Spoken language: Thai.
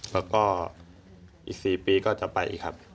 แล้วก็อีก๔ปีก็จะไปครับ